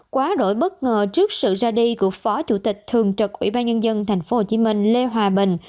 quá đổi bất ngờ trước sự ra đi của phó chủ tịch thường trực ủy ban nhân dân tp hcm lê hòa bình